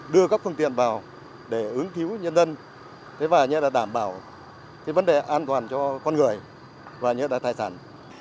đưa các phương tiện vào để ứng cứu nhân dân và đảm bảo vấn đề an toàn cho con người và tài sản